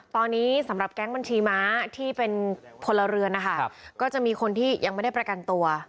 ตอนนี้สำหรับแก๊งบัญชีม้าที่เป็นพลเรือนนะคะก็จะมีคนที่ยังไม่ได้ประกันตัว